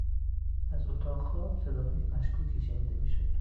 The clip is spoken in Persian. از اتاق خواب صداهای مشکوکی شنیده میشد.